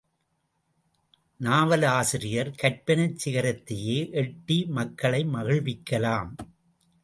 நாவலாசிரியர் கற்பனைச் சிகரத்தையே எட்டி மக்களை மகிழ்விக்கலாம்.